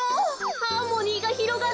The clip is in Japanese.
ハーモニーがひろがる。